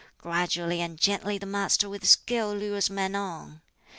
Gradually and gently the Master with skill lures men on.